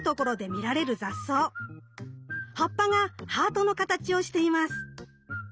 葉っぱがハートの形をしています。